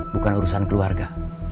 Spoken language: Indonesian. bukan urusan keluarga